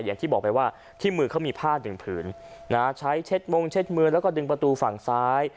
อย่างที่บอกไปว่าที่มือเขามีผ้าหนึ่งผืนใช้เช็ดมงเช็ดมือแล้วก็ดึงประตูฝั่งซ้าย